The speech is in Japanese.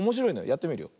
やってみるよ。